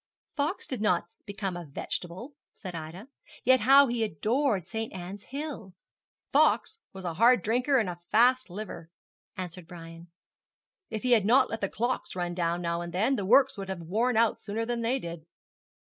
'Fox did not become a vegetable,' said Ida; 'yet how he adored St. Ann's Hill!' 'Fox was a hard drinker and a fast liver,' answered Brian. 'If he had not let the clock run down now and then, the works would have worn out sooner than they did.'